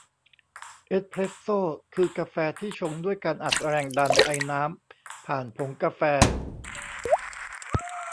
เอสเพรสโซ่ คือกาแฟที่ชงด้วยการอัดแรงดันไอน้ำผ่านผงกาแฟ